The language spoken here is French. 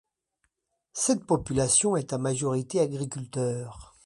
Cette population est à majorité agriculteur.